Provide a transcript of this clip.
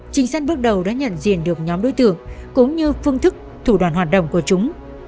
trinh sát bước đầu đã nhận diện được nhóm đối tượng cũng như phương thức thủ đoàn hoạt động của chúng